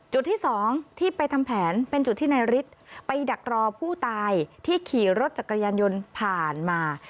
จุดที่สองที่ไปทำแผนเป็นจุดที่นายฤทธิ์ไปดักรอผู้ตายที่ขี่รถจักรยานยนต์ผ่านมา